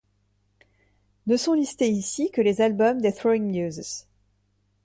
Ne sont listés ici que les albums des Throwing Muses.